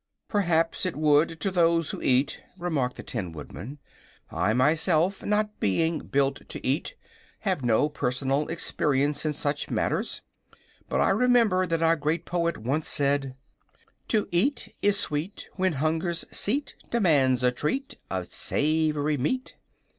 "Perhaps it would, to those who eat," remarked the Tin Woodman. "I myself, not being built to eat, have no personal experience in such matters. But I remember that our great poet once said: "'To eat is sweet When hunger's seat Demands a treat Of savory meat.'